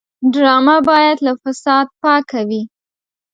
ډرامه باید له فساد پاکه وي